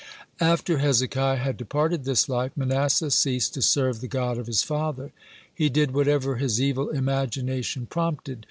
(95) After Hezekiah had departed this life, Manasseh ceased to serve the God of his father. He did whatever his evil imagination prompted.